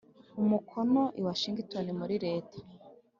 Umukono i washington muri leta